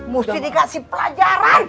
mesti dikasih pelajaran